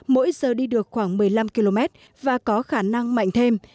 mỗi giờ đi được khoảng một mươi năm km và có khả năng mạnh thêm